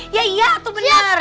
iya iya itu bener